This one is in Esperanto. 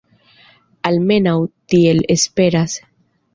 Almenaŭ tiel esperas.